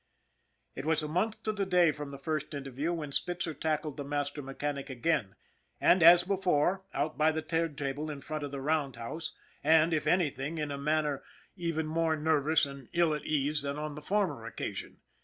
It was a month to the day from the first interview when Spitzer tackled the master mechanic again, and as before, out by the turntable in front of the round house, and, if anything, in a manner even more nervous SPITZER 75 and ill at ease than on the former occasion.